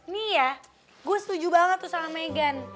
nih ya gue setuju banget tuh sama meghan